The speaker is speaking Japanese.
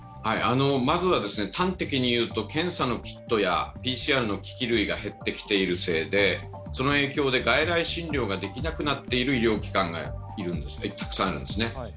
まずは端的に言うと検査キットやＰＣＲの機器類が減ってきているせいでその影響で外来診療ができなくなっている医療機関がたくさんあるんですね。